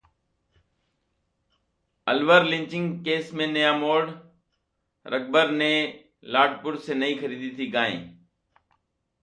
Alwar lynching case में नया मोड़, रकबर ने लाडपुर से नहीं खरीदी थी गाय